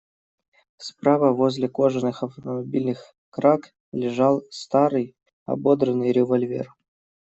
Справа, возле кожаных автомобильных краг, лежал старый, ободранный револьвер.